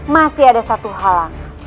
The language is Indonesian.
masih ada satu halang